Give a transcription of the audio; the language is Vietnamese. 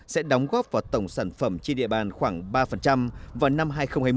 sẽ đóng góp vào tổng sản phẩm trên địa bàn khoảng ba vào năm hai nghìn hai mươi